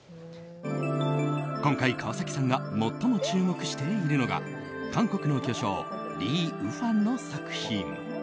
今回、川崎さんが最も注目しているのが韓国の巨匠リ・ウファンの作品。